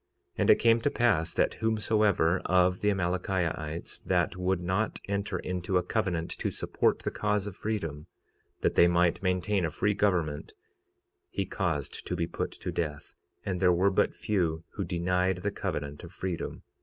46:35 And it came to pass that whomsoever of the Amalickiahites that would not enter into a covenant to support the cause of freedom, that they might maintain a free government, he caused to be put to death; and there were but few who denied the covenant of freedom.